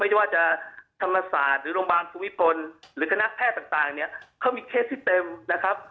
ไม่ว่าจะธรรมศาสตร์หรือโรงพยาบาลภูมิพลหรือคณะแพทย์ต่างเนี่ยเขามีเคสที่เต็มนะครับ